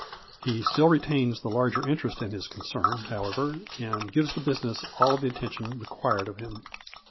He still retains the larger interest in his concern, however, and gives the business all the attention required of him.